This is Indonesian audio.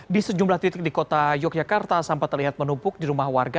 di sejumlah titik di kota yogyakarta sampah terlihat menumpuk di rumah warga